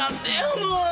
もう。